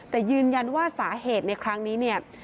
แต่ยืนยันว่าสาเหตุในครั้งนี้เนี่ย